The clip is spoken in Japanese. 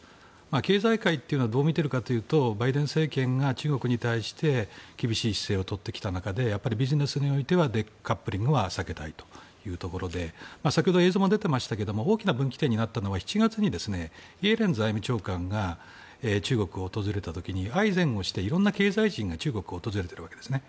経済界というのはどう見てるかというとバイデン政権が中国に対して厳しい姿勢をとってきた中でビジネスにおいてはデカップリングは避けたいというところで先ほど映像も出てましたけど大きな分岐点になったのは７月にイエレン財務長官が中国を訪れた時にいろんな経済人が中国を訪れているわけですね。